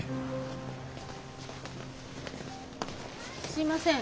すいません